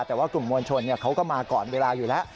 แต่ว่ากลุ่มมวลชนเขาก็มาก่อนเวลาอยู่แล้ว